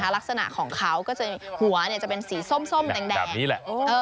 ลักษณะของเขาก็คือหัวจะเป็นสีส้มแดง